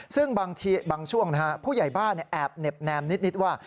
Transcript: ซึ่งบางช่วงนะครับผู้ใหญ่บ้านแอบแนบนิดว่า